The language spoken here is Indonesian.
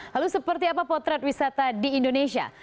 lalu seperti apa potret wisata di indonesia